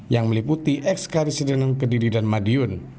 yang meliputi ekskarisidenan kediri